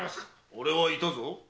俺はいたぞ。